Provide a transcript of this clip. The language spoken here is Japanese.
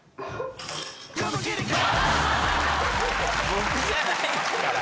僕じゃないっすから。